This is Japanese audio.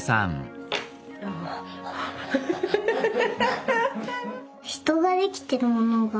フフフフフフ。